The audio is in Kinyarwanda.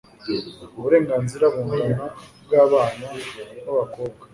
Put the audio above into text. uburenganzira bungana bw'abana b'abakobwa